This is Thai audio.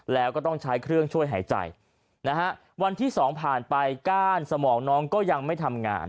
แล้วก็ต้องใช้เครื่องช่วยหายใจนะฮะวันที่๒ผ่านไปก้านสมองน้องก็ยังไม่ทำงาน